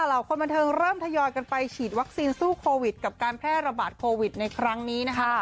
เห่าคนบันเทิงเริ่มทยอยกันไปฉีดวัคซีนสู้โควิดกับการแพร่ระบาดโควิดในครั้งนี้นะคะ